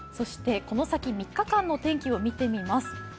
この先３日間の天気を見てみます。